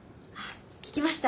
聞きました。